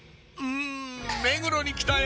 目黒に来たよ！